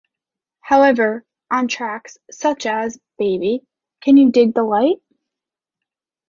However, on tracks such as Baby, Can You Dig the Light?